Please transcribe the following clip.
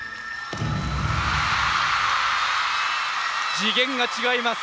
次元が違います。